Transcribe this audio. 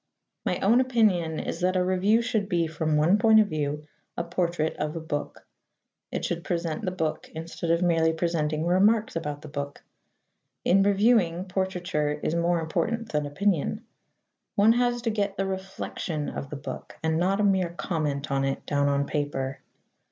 My own opinion is that a review should be, from one point of view, a portrait of a book. It should present the book instead of merely presenting remarks about the book. In reviewing, portraiture is more important than opinion. One has to get the reflexion of the book, and not a mere comment on it, down on paper.